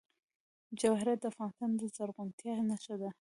جواهرات د افغانستان د زرغونتیا نښه ده.